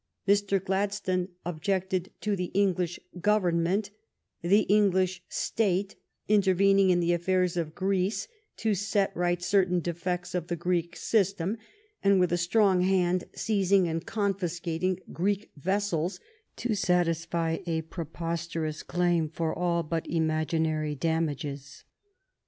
Mr. Gladstone objected to the English Government, the English State, intervening in the affairs of Greece to set right certain defects of the Greek system, and with a strong hand seizing and confiscating Greek vessels to satisfy a prepos terous claim for all but imaginary damages.